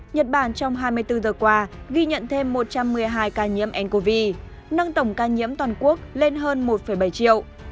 nhật bản trong hai mươi bốn giờ qua ghi nhận thêm một trăm một mươi hai ca nhiễm ncov nâng tổng quốc lên hơn một bảy triệu